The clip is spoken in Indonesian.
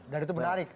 dan itu menarik